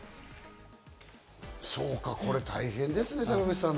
そうか、これ大変ですね、坂口さん。